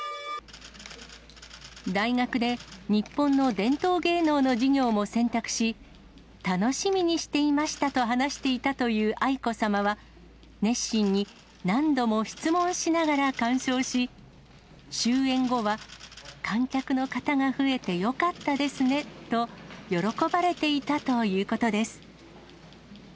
大学で日本の伝統芸能の授業も選択し、楽しみにしていましたと話していたという愛子さまは、熱心に何度も質問しながら鑑賞し、終演後は観客の方が増えてよかったですねと喜ばれていたということです。